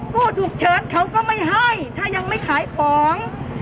ผู้ฉุกเฉินเขาก็ไม่ให้ถ้ายังไม่ขายของ